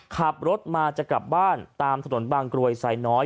ขับรถมาจะกลับบ้านจากถนนตำรวจภูทรบางกลัวยไซน้อย